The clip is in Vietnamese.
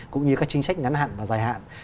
cũng như các chính sách ngắn hạn và dài hạn